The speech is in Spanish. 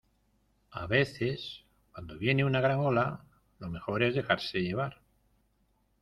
a veces, cuando viene una gran ola , lo mejor es dejarse llevar.